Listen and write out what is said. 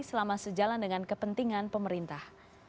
selama sejalan dengan kepentingan pemerintah